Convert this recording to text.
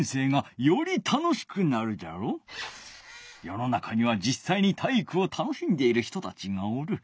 よの中にはじっさいに体育を楽しんでいる人たちがおる。